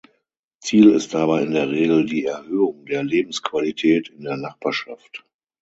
Ziel ist dabei in der Regel die Erhöhung der Lebensqualität in der Nachbarschaft.